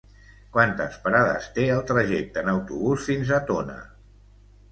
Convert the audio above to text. Quantes parades té el trajecte en autobús fins a Tona?